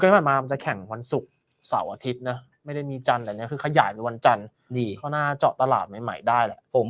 ที่ผ่านมามันจะแข่งวันศุกร์เสาร์อาทิตย์นะไม่ได้มีจันทร์แต่อันนี้คือขยายไปวันจันทร์ดีเขาน่าเจาะตลาดใหม่ได้แหละ